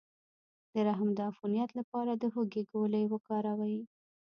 د رحم د عفونت لپاره د هوږې ګولۍ وکاروئ